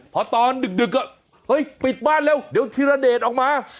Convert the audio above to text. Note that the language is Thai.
พอตอนดึกเฮ้ยปิดบ้านเร็วเดี๋ยวธิรเดชออกมา